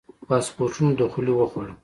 پاسپورتونو دخولي وخوړه.